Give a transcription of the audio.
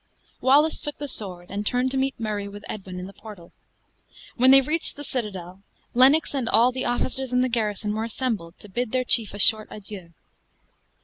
Wallace took the sword, and turned to meet Murray with Edwin in the portal. When they reached the citadel, Lennox and all the officers in the garrison were assembled to bid their chief a short adieu.